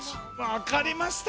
わかりました。